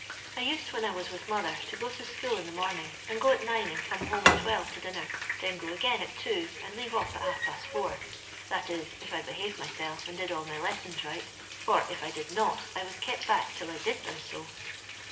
I used, when I was with mother, \o go to school in the morning, and go at nine and come home at twelve to dinner, dien go again at two and leave off at half post four, — that is, if I be haved myself and did oU my lessons right; for if I did not I was kept back till I did them so.